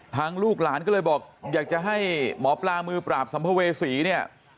ลูกหลานก็เลยบอกอยากจะให้หมอปลามือปราบสัมภเวษีเนี่ย